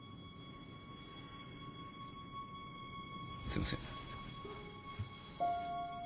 すいません。